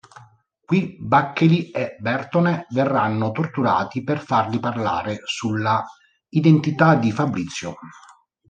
Qui Bacchelli e Bertone verranno torturati per farli parlare sulla identità di Fabrizio.